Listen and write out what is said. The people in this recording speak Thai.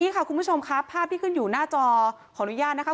นี่ค่ะคุณผู้ชมครับภาพที่ขึ้นอยู่หน้าจอขออนุญาตนะคะ